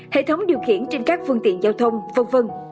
hệ thống điều khiển trên các phương tiện giao thông v v